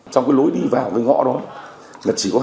trong cái lối đi vào cái ngõ đó là chỉ có hai người